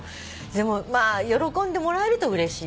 でも喜んでもらえるとうれしい。